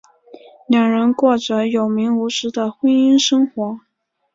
两人过着有名无实的婚姻生活。